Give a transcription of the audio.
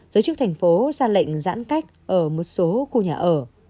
giới chức thành phố ra lệnh giãn cách ở một số khu nhà ở